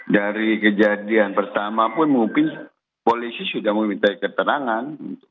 dari kejadian pertama pun mungkin polisi sudah meminta keterangan